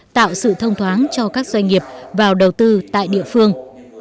tạo sự thông thoáng cho các doanh nghiệp vào đầu tư tại địa phương